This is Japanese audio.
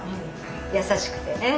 優しくてね。